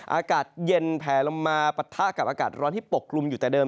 อากาศเย็นแผลลงมาปะทะกับอากาศร้อนที่ปกกลุ่มอยู่แต่เดิม